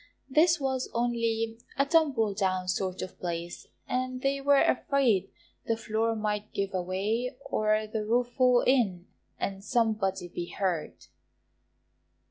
It was only a tumble down sort of place, and they were afraid the floor might give way or the roof fall in, and somebody be hurt.